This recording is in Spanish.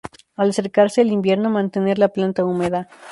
Al acercarse el invierno, mantener la planta húmeda.